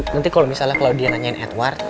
nanti kalau misalnya claudia nanyain edward